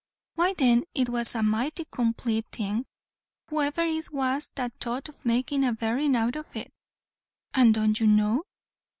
"Why then it was a mighty complate thing, whoever it was that thought of makin' a berrin', out of it." "And don't you know?"